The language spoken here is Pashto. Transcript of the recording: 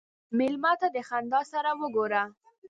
مېلمه ته د خندا سره وګوره.